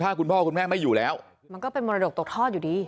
ถ้าคุณพ่อคุณแม่ไม่อยู่แล้วมันก็เป็นมรดกตกทอดอยู่ดี